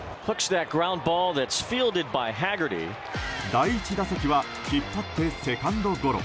第１打席は引っ張ってセカンドゴロ。